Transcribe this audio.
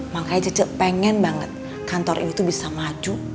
makanya cici pengen banget kantor ini tuh bisa maju